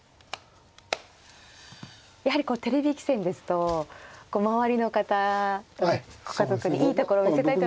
やはりテレビ棋戦ですと周りの方ご家族にいいところ見せたいと思う。